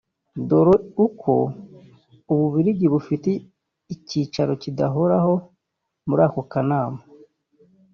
dore ko ubu u Bubiligi bufite icyicaro kidahoraho muri ako kanama